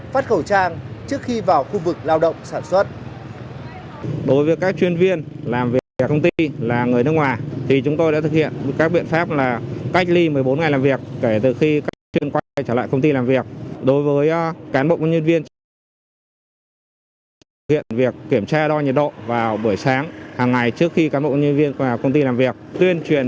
phát khẩu trang trước khi vào khu vực lao động sản xuất